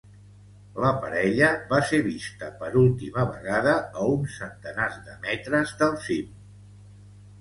La parella va ser vista per última vegada a uns centenars de metres del cim.